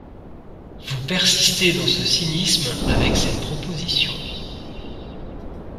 Vous persistez dans ce cynisme avec cette proposition.